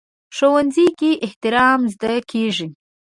ښوونځی کې احترام زده کېږي